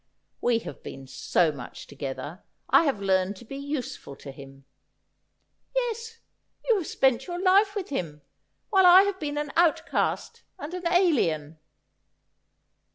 ' We have been so much together. I have learned to be use ful to him.' ' Yes ; you have spent your life with him, while I have been an outcast and an alien.'